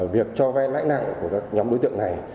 việc cho vay lãnh năng của các nhóm đối tượng này